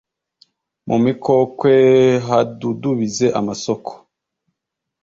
mu mikokwe hadudubize amasoko,